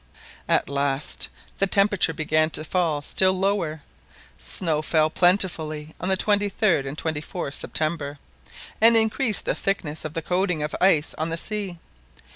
At last the temperature began to fall still lower. Snow fell plentifully on the 23d and 24th September, and increased the thickness of the coating of ice on the sea.